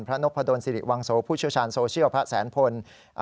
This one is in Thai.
นกพะดนสิริวังโสผู้เชี่ยวชาญโซเชียลพระแสนพล